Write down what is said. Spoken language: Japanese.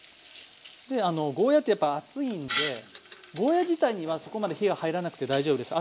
でゴーヤーってやっぱ厚いんでゴーヤー自体にはそこまで火が入らなくて大丈夫です。